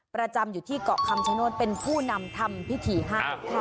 ประจำอยู่ที่เกาะคำชโนธเป็นผู้นำทำพิธีให้